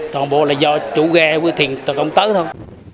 toàn bộ là do chú gai với thiền tài công tới thôi